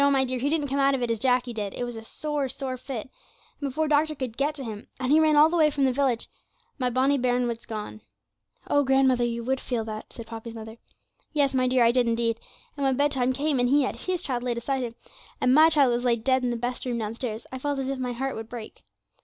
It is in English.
my dear, he didn't come out of it as Jacky did; it was a sore, sore fit, and before doctor could get to him and he ran all the way from the village my bonny bairn was gone.' 'Oh, grandmother, you would feel that,' said Poppy's mother. 'Yes, my dear, I did indeed; and when bedtime came, and he had his child laid aside him, and my child was laid dead in the best room downstairs, I felt as if my heart would break.